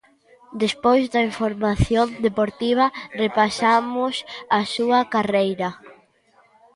Despois da información deportiva, repasamos a súa carreira.